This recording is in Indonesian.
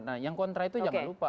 nah yang kontra itu jangan lupa